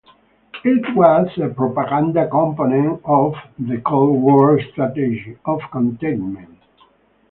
It was a propaganda component of the Cold War strategy of containment.